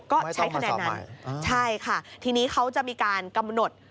ก็ใช้คะแนนนั้นใช่ค่ะทีนี้เขาจะมีการกำหนด